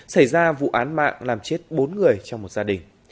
xảy ra vụ án mạng làm chết bốn người trong một gia đình